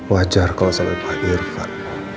wajar kalau sama pak irfan